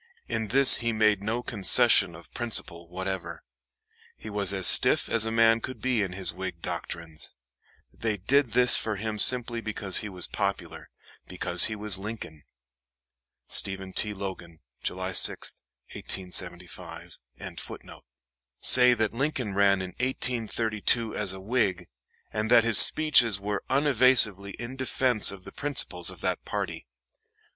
In this he made no concession of principle whatever. He was as stiff as a man could be in his Whig doctrines. They did this for him simply because he was popular because he was Lincoln. STEPHEN T. LOGAN. July 6, 1875.] say that Lincoln ran in 1832 as a Whig, and that his speeches were unevasively in defense of the principles of that party.